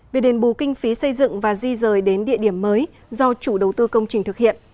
việc đền bù kinh phí xây dựng và di rời đến địa điểm mới do chủ đầu tư công trình thực hiện